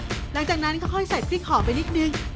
หลังจากนั้นค่อยใส่พริกหอมไปนิดนึง